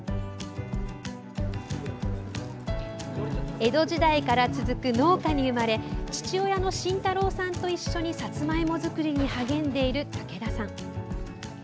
江戸時代から続く農家に生まれ父親の信太郎さんと一緒にさつまいも作りに励んでいる武田さん。